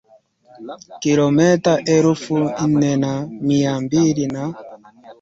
Kilomita elfu nne na mia mbili na